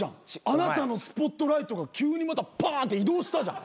あなたのスポットライトが急にまたパーンって移動したじゃん。